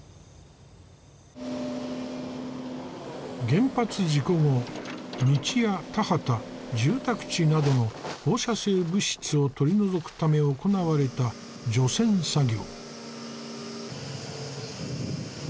原発事故後道や田畑住宅地などの放射性物質を取り除くため行われた除染作業。